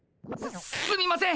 すすみません！